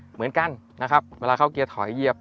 เหมือนกันนะครับเวลาเข้าเกียร์ถอยเหยียบ